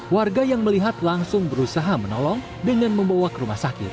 warga yang melihat langsung berusaha menolong dengan membawa ke rumah sakit